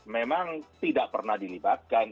memang tidak pernah dilibatkan